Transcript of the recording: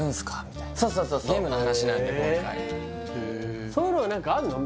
みたいなそうそうそうそうゲームの話なんで今回そういうのは何かあんの？